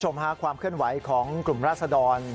ชมฮาความเคลื่อนไหวของกลุ่มราชดร